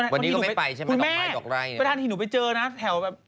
พูดแม้มาที่นี่หนูไปเจอนะแถวแบบ